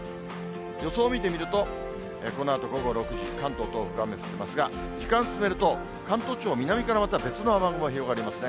予想見てみると、このあと午後６時、関東、東北、雨降ってますが、時間進めると、関東地方、南からまた別の雨雲が広がりますね。